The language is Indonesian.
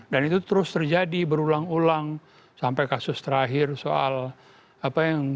dan itu terus terjadi berulang ulang sampai kasus terakhir soal apa yang